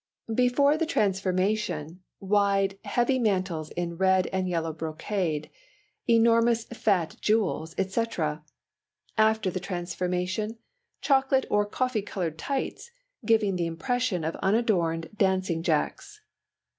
THE LUXURIES. Before the transformation: wide, heavy mantles in red and yellow brocade; enormous fat jewels, etc. After the transformation: chocolate or coffee coloured tights, giving the impression of unadorned dancing jacks.